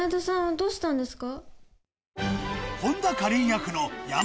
どうしたんですか？